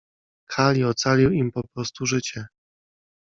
Kali ocalił im poprostu życie.